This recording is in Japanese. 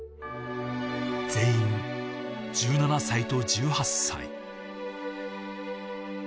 全員１７歳と１８歳。